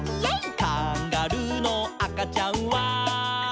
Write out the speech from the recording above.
「カンガルーのあかちゃんは」